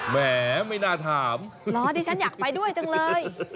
แหมไม่น่าถามเหรอดิฉันอยากไปด้วยจังเลย